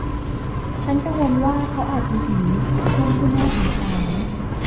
ฉันกังวลว่าเขาอาจจะหิว เพื่อนผู้น่าสงสาร